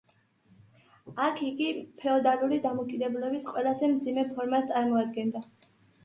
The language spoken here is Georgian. აქ იგი ფეოდალური დამოკიდებულების ყველაზე მძიმე ფორმას წარმოადგენდა.